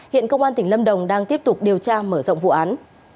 hiện công an tỉnh lâm đồng đang tiếp tục điều tra mở rộng vụ án